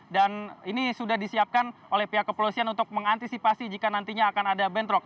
dan ini sudah disiapkan oleh pihak kepolisian untuk mengantisipasi jika nantinya akan ada bentrok